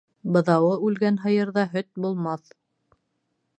Быҙауы үлгән һыйырҙа һөт булмаҫ.